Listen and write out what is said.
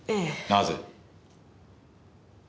なぜ？